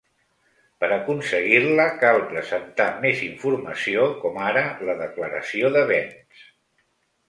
Per aconseguir-la cal presentar més informació com ara la declaració de béns.